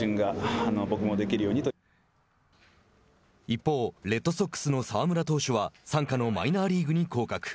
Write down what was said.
一方、レッドソックスの澤村投手は傘下のマイナーリーグに降格。